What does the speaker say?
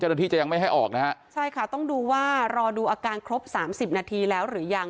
จะยังไม่ให้ออกนะฮะใช่ค่ะต้องดูว่ารอดูอาการครบสามสิบนาทีแล้วหรือยัง